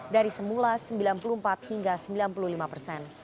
dari semula sembilan puluh empat hingga sembilan puluh lima persen